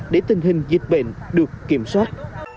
để tình hình dịch bệnh được kiểm soát